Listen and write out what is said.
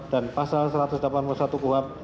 dan pasal satu ratus delapan puluh satu kuhab